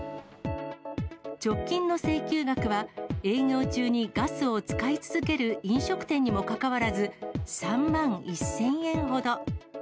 直近の請求額は、営業中にガスを使い続ける飲食店にもかかわらず、３万１０００円ほど。